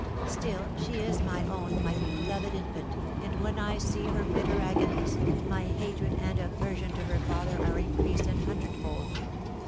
Still, she is my own, my beloved infant, and, when I see her bitter agonies, my hatred and aversion to her father are increased an hundredfold.